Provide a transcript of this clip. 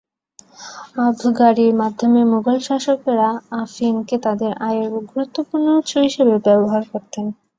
আবগারির মাধ্যমে মুগল শাসকেরা আফিমকে তাদের আয়ের গুরুত্বপূর্ণ উৎস হিসেবে ব্যবহার করতেন।